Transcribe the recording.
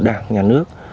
đảng nhà nước